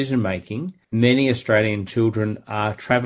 banyak anak anak australia yang berjalan dengan mobil